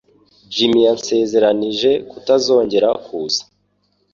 Jim yansezeranije kutazongera kuza